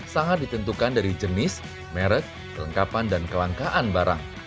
sangat ditentukan dari jenis merek kelengkapan dan kelangkaan barang